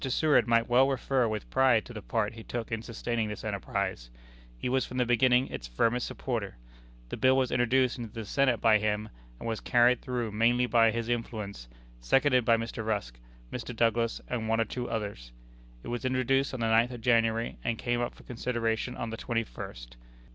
Seward might well refer with pride to the part he took in sustaining this enterprise. He was from the beginning its firmest supporter. The bill was introduced into the Senate by him, and was carried through mainly by his influence, seconded by Mr. Rusk, Mr. Douglas, and one or two others. It was introduced on the ninth of January, and came up for consideration on the twenty first.